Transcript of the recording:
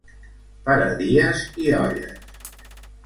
Per a dies i olles.